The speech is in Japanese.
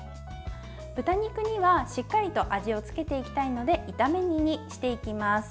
豚肉には、しっかりと味をつけていきたいので炒め煮にしていきます。